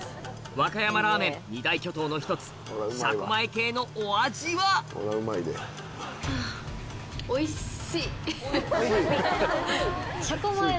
和歌山ラーメン二大巨頭の一つ車庫前系のお味は？になってます。